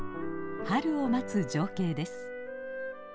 春を待つ情景です。